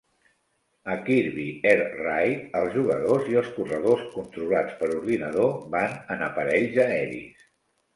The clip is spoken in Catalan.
A "Kirby Air Ride", els jugadors i els corredors controlats per ordinador van en aparells aeris.